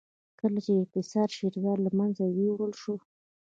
کله چې اقتصادي شیرازه له منځه یووړل شوه.